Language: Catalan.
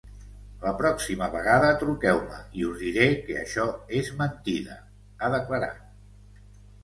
La pròxima vegada truqueu-me i us diré que això és mentida, ha declarat.